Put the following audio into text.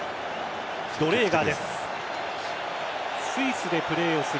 ドレーガーです。